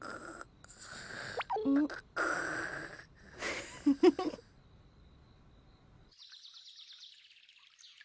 フフフッ。